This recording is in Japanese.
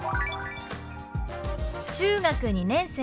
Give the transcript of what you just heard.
「中学２年生」。